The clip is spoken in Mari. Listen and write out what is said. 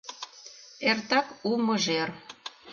Эртак у мыжер.